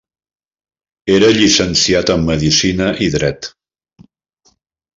Era llicenciat en Medicina i Dret.